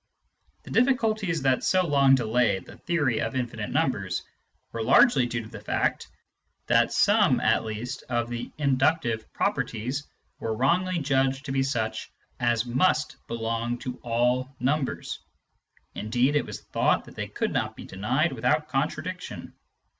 The difficulties that so long delayed the theory of infinite numbers were largely due to the fact that some, at least, of the inductive properties were wrongly judged to be such as must belong to all numbers ; indeed it was thought that they could not be denied without contradiction.